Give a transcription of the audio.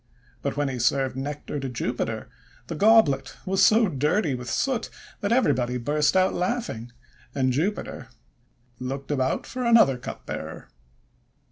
But when he served Nectar to Jupiter, the goblet was so dirty with soot that everybody burst out laughing, and Jupiter looked about for another cupbearer.